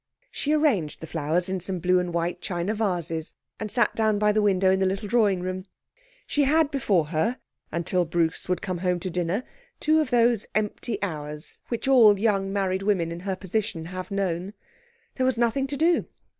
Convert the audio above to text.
She arranged the flowers in some blue and white china vases, and sat down by the window in the little drawing room. She had before her, until Bruce would come home to dinner, two of those empty hours which all young married women in her position have known. There was nothing to do.